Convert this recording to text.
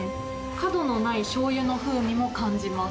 かどのないしょうゆの風味も感じます。